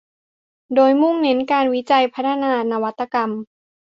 โดยมุ่งเน้นการวิจัยพัฒนานวัตกรรม